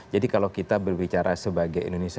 jadi kalau kita berbicara sebagai indonesia